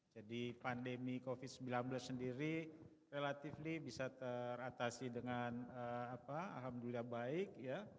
jadi pandemi covid sembilan belas sendiri relatif ini bisa teratasi dengan alhamdulillah baik